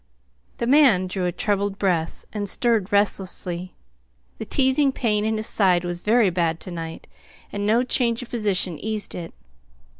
The man drew a troubled breath, and stirred restlessly. The teasing pain in his side was very bad to night, and no change of position eased it.